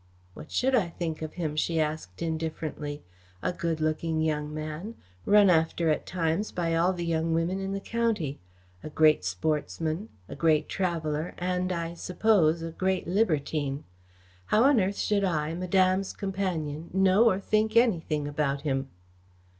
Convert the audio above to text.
"What should I think of him?" she answered indifferently. "A good looking young man, run after at times by all the young women in the county, a great sportsman, a great traveller, and, I suppose, a great libertine. How on earth should I, Madame's companion, know or think anything about him?"